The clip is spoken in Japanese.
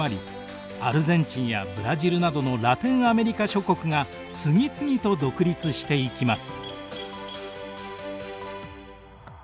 アルゼンチンやブラジルなどのラテンアメリカ諸国が次々と独立していきます。